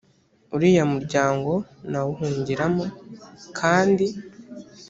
uriya muryango nawuhungiramo kandi